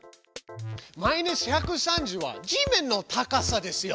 マイナス１３０は地面の高さですよ。